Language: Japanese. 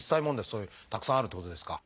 そういうたくさんあるってことですか？